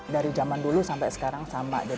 dari zaman dulu sampai sekarang sama